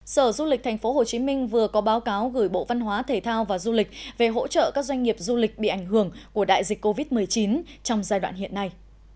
sở du lịch tp hcm vừa có báo cáo gửi bộ văn hóa thể thao và du lịch về hỗ trợ các doanh nghiệp du lịch bị ảnh hưởng của đại dịch covid một mươi chín trong giai đoạn hiện nay